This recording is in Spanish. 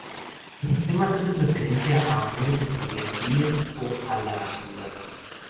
Los temas hacen referencia a amores estudiantiles o a la ciudad.